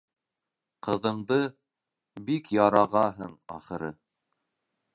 Ҡыҙыңды... бик ярағаһың, ахыры...